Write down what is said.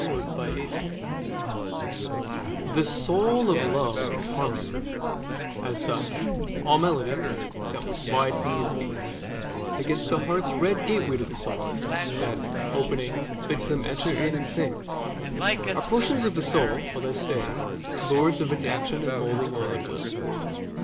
THE SYMPHONY The soul of love is harmony: as such All melodies, that with wide pinions beat Against the heart's red gateway to the soul, That, opening, bids them enter in and sing, Are portions of the soul, and while they stay, Lords of its action molding all at will.